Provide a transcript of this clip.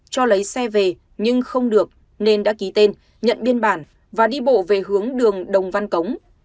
cho lấy xe về nhưng không được nên đã ký tên nhận biên bản và đi bộ về hướng đường đồng văn cống